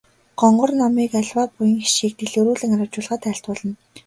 Гонгор номыг аливаа буян хишгийг дэлгэрүүлэн арвижуулахад айлтгуулна.